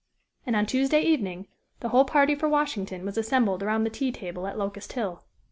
And on Tuesday evening, the whole party for Washington was assembled around the tea table at Locust Hill.